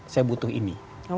saya butuh ini